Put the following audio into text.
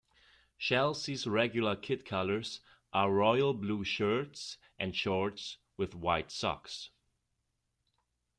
Chelsea's regular kit colours are royal blue shirts and shorts with white socks.